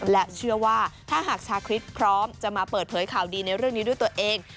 และเชื่อว่าถ้าหากชาคริสพร้อมจะมาเปิดเผยข่าวดีในเรื่องนี้ด้วยตัวเอง